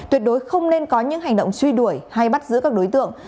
tuyệt đối không nên có những hành động truy đuổi hay bắt giữ các đối tượng